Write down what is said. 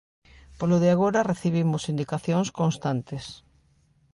Polo de agora, recibimos indicacións constantes.